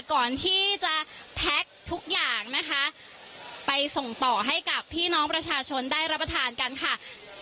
ก่อนที่จะแพ็คทุกอย่างนะคะไปส่งต่อให้กับพี่น้องประชาชนได้รับประทานกันค่ะ